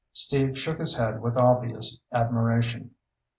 Steve shook his head with obvious admiration.